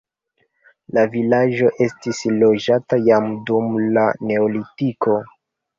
La vilaĝo estis loĝata jam dum la neolitiko.